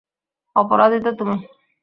অপরাধী তো তুমি।